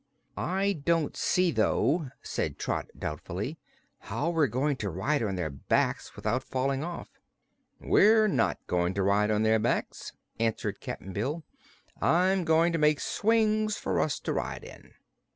"I don't see, though," said Trot doubtfully, "how we're going to ride on their backs without falling off." "We're not going to ride on their backs," answered Cap'n Bill. "I'm going to make swings for us to ride in."